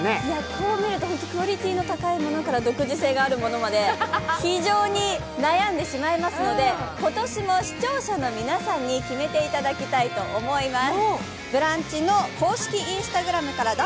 こう見ると、本当にクオリティーの高いものから独自性のあるものまで非常に悩んでしまいますので今年も視聴者の皆さんに決めていただきたいと思います。